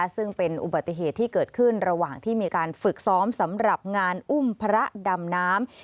ซึ่งเป็นอุบัติเหตุที่เกิดขึ้นระหว่างที่มีการฝึกซ้อมสำหรับงานอุ้มพระดำน้ำ